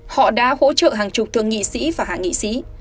họ đã hỗ trợ hàng chục thượng nghị